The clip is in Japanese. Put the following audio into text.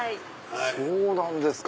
そうなんですか。